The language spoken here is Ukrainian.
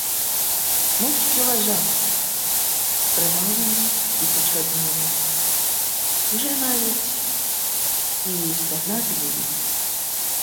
Мовчки лежав, скривавлений і почорнілий, уже навіть і стогнати не міг.